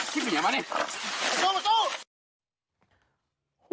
ที่เหมียมานี่หักเจ๋ยหักเจ๋ย